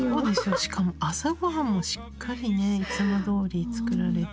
しかも朝ごはんもしっかりねいつもどおり作られて。